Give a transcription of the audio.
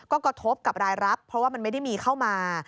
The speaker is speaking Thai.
ก็กระทบกับรายรับเพราะว่ามันไม่ได้มีเข้ามา